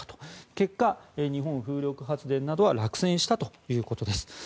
結果、日本風力開発などは落選したということです。